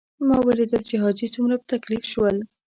ما ولیدل چې حاجي څومره په تکلیف شول.